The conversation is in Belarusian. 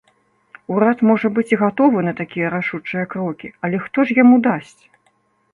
Урад, можа быць, і гатовы на такія рашучыя крокі, але хто ж яму дасць?